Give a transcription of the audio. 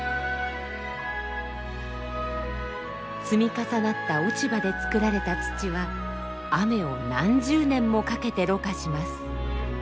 積み重なった落ち葉でつくられた土は雨を何十年もかけてろ過します。